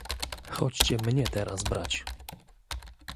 "Chodźcie mnie teraz brać!"